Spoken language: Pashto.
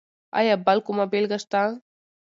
ایا بل کومه بېلګه شته؟